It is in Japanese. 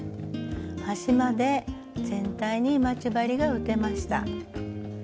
端まで全体に待ち針が打てました。